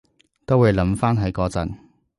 都會諗返起嗰陣